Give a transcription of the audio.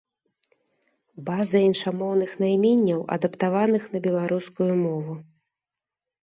База іншамоўных найменняў, адаптаваных на беларускую мову.